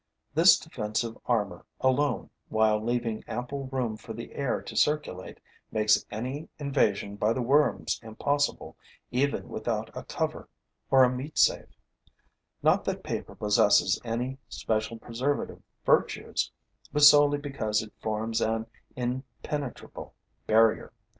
This defensive armor alone, while leaving ample room for the air to circulate, makes any invasion by the worms impossible, even without a cover or a meat safe: not that paper possesses any special preservative virtues, but solely because it forms an impenetrable barrier.